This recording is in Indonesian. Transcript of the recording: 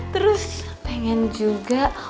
terus pengen juga